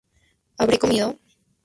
Habré comido